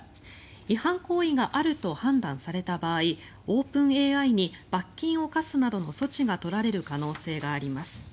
違反行為があると判断された場合オープンＡＩに罰金を科すなどの措置が取られる可能性があります。